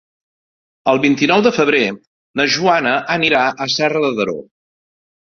El vint-i-nou de febrer na Joana anirà a Serra de Daró.